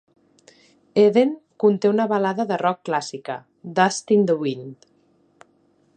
"Eden" conté una balada de rock clàssica, "Dust in the Wind".